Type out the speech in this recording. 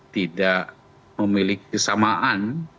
tidak memiliki kesamaan